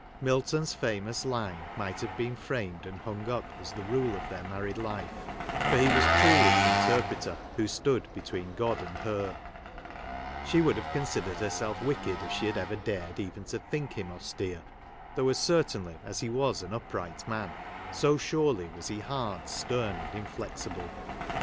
Milton's famous line might have been framed and hung up as the rule of their married life, for he was truly the interpreter, who stood be tween God and her ; she would have con sidered herself wicked if she had ever dared even to think him austere, though as cer tainly as he was an upright man, so surely was he hard, stern, and inflexible.